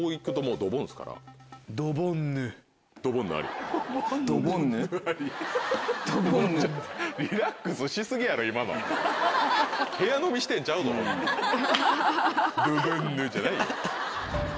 「ドボンヌ」じゃないよ。